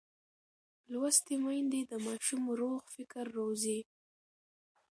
لوستې میندې د ماشوم روغ فکر روزي.